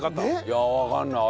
いやわかんない。